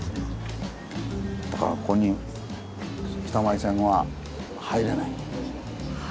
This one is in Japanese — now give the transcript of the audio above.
だからここに北前船は入れない。